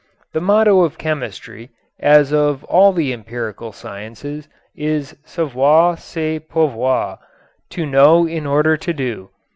The motto of chemistry, as of all the empirical sciences, is savoir c'est pouvoir, to know in order to do.